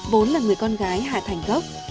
bốn là người con gái hạ thành gốc